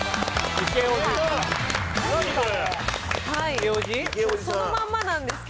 何これ。